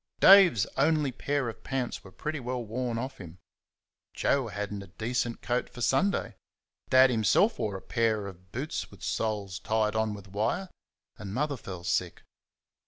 Dave's only pair of pants were pretty well worn off him; Joe had n't a decent coat for Sunday; Dad himself wore a pair of boots with soles tied on with wire; and Mother fell sick.